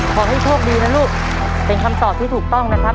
ขอให้โชคดีนะลูกเป็นคำตอบที่ถูกต้องนะครับ